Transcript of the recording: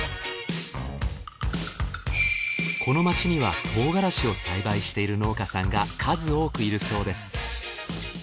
この町にはトウガラシを栽培している農家さんが数多くいるそうです。